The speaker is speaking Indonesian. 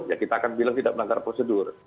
ya kita akan bilang tidak melanggar prosedur